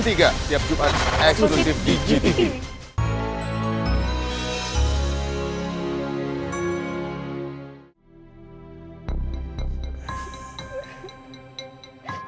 tiap jumat eksklusif di gtv